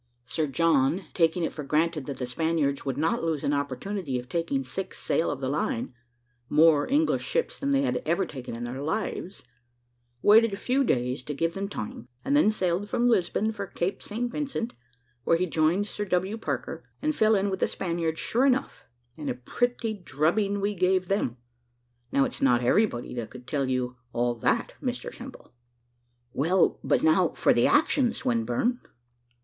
Sir John, taking it for granted that the Spaniards would not lose an opportunity of taking six sail of the line more English ships than they had ever taken in their lives waited a few days to give them time, and then sailed from Lisbon for Cape St. Vincent, where he joined Sir W. Parker, and fell in with the Spaniards sure enough, and a pretty drubbing we gave them. Now, it's not everybody that could tell you all that, Mr Simple." "Well, but now for the action, Swinburne."